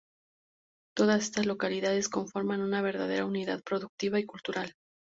Todas estas localidades conforman una verdadera unidad productiva y cultural.